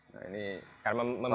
nah ini salah satu challenge